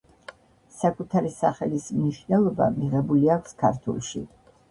საკუთარი სახელის მნიშვნელობა მიღებული აქვს ქართულში.